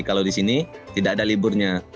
kalau di sini tidak ada liburnya